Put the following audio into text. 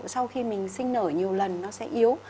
sau khi mình sinh nở nhiều lần nó sẽ yếu